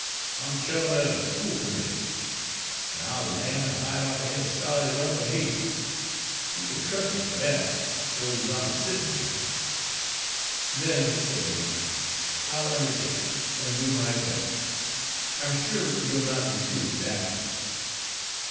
I'm chuhman er de school committee, an' I'll lam de hide off'n any scholar dat don' behave. You kin trus' me fer dat, sho' ez I'm a settin' here." "Then," said Rena, "I'll undertake it, and do my best. I'm sure you'll not be too exacting."